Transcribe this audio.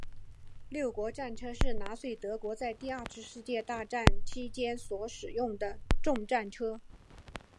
六号战车是纳粹德国在第二次世界大战期间所使用的重战车。